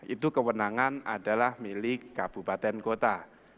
itu kewenangan adalah milik kabupaten kota